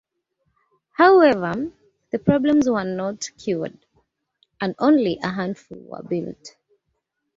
However, the problems were not cured, and only a handful were built.